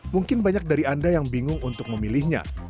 mungkin banyak dari anda yang bingung untuk memilihnya